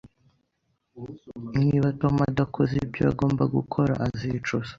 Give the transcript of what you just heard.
Niba Tom adakoze ibyo agomba gukora, azicuza